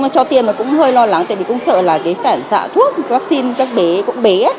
cho tiêm nó cũng hơi lo lắng tại vì cũng sợ là cái phản xạ thuốc vaccine các bé cũng bé